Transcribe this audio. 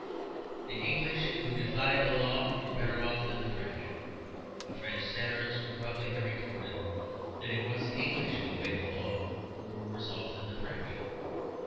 The English who defied the law were better off than the French; a French satirist would probably have retorted that it was the English who obeyed the law who were worse off than the French.